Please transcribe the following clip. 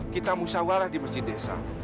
kita musyawarah di masjid desa